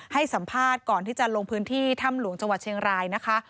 ให้สัมภาษณ์ก่อนที่จะลงพื้นที่ถ้ำหลวงจังหวัดเชียงรายนะคะ